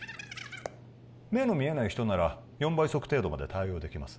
目の見えない人なら４倍速程度まで対応できます